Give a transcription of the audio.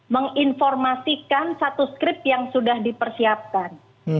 menginformasikan satu skrip yang sudah dipersiapkan